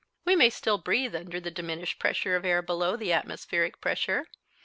We may still breathe under the diminished pressure of air below the atmospheric pressure.